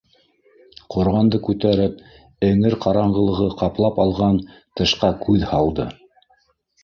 Ҡорғанды күтәреп, эңер ҡараңғылығы ҡаплап алған тышҡа күҙ һалды.